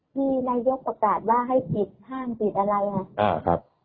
ที่นายยกตะกาดว่าให้ปิดห้างปิดอะไรครับ